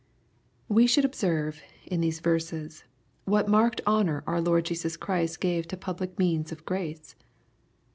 We should observe, in these verses, what marked honor our Lord Jesus Christ gave to public means of grace.